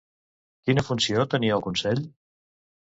Quina funció tenia el consell?